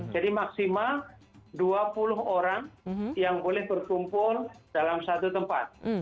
jadi maksimal dua puluh orang yang boleh berkumpul dalam satu tempat